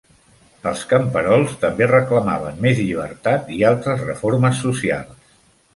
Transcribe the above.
Els camperols també reclamaven més llibertat i altres reformes socials.